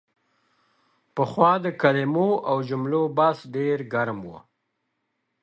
پخوا د کلمو او جملو بحث ډېر ګرم و.